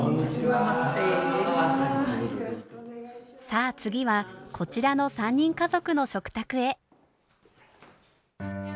さあ次はこちらの３人家族の食卓へ。